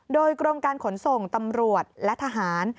โดยกรมการขนส่งตำรวจและทหาร